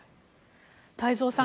太蔵さん